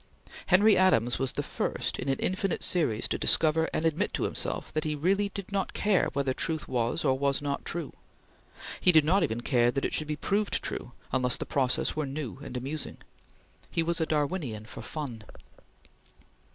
Henry Adams was the first in an infinite series to discover and admit to himself that he really did not care whether truth was, or was not, true. He did not even care that it should be proved true, unless the process were new and amusing. He was a Darwinian for fun.